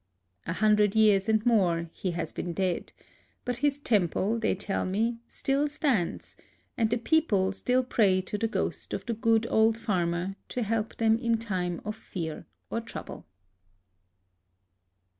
A hundred years and more he has been dead ; but his temple, they tell me, still stands, and the people still pray to the ghost of the good old farmer to help them in time of fear or trouble.